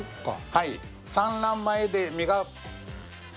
はい。